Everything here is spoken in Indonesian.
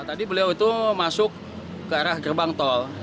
tadi beliau itu masuk ke arah gerbang tol